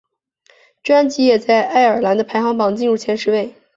专辑也在爱尔兰的排行榜进入前十位。